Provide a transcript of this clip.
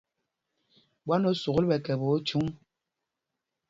Ɓwán o sukûl ɓɛ kɛpɛ óthyǔŋ?